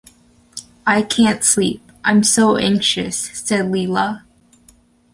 "I can't sleep, I'm so anxious," said Leila.